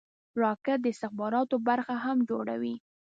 راکټ د استخباراتو برخه هم جوړوي